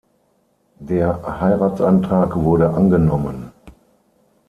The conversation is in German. Der Heiratsantrag wurde angenommen.